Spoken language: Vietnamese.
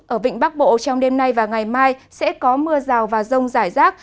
ở vịnh bắc bộ trong đêm nay và ngày mai sẽ có mưa rào và rông rải rác